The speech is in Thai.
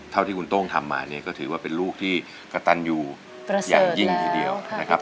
เท่าที่คุณโต้งทำมาเนี่ยก็ถือว่าเป็นลูกที่กระตันอยู่อย่างยิ่งทีเดียวนะครับ